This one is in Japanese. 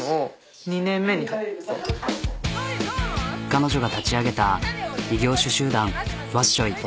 彼女が立ち上げた異業種集団わっしょい！